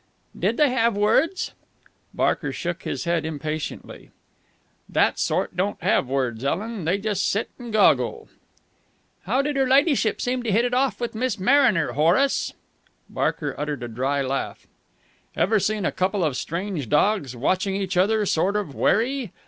"Did they have words?" Barker shook his head impatiently. "That sort don't have words, Ellen. They just sit and goggle." "How did her ladyship seem to hit it off with Miss Mariner, Horace?" Barker uttered a dry laugh. "Ever seen a couple of strange dogs watching each other sort of wary?